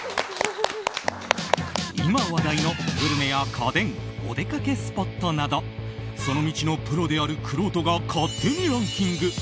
今話題のグルメや家電お出かけスポットなどその道のプロであるくろうとが勝手にランキング。